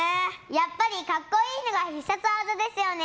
やっぱり格好いいのが必殺技ですよね。